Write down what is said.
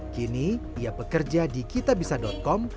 kini ia bekerja di kitabisa com